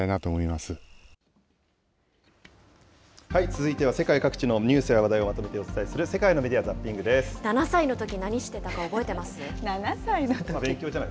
続いては世界各地のニュースや話題をまとめてお伝えする、世７歳のとき、何してたか覚え７歳のとき？